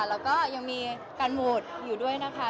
แล้วก็ยังมีการโหวตอยู่ด้วยนะคะ